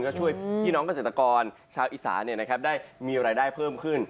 ก็ช่วยพี่น้องเกษตรกรชาวอีสานได้มีรายได้เพิ่มขึ้น